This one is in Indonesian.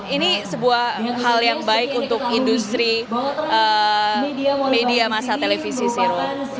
ini sebuah hal yang baik untuk industri media masa televisi zero